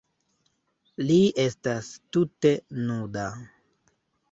Li estas tute nuda.